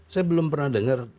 saya belum pernah dengar